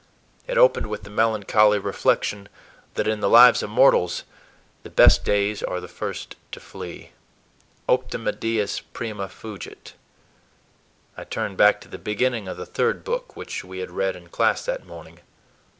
It opened with the melancholy reflection that, in the lives of mortals, the best days are the first to flee. "Optima dies … prima fugit." I turned back to the beginning of the third book, which we had read in class that morning.